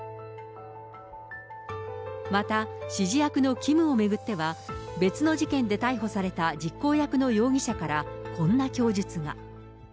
また指示役のＫＩＭを巡っては、別の事件で逮捕された実行役の容疑者からこんな供述が。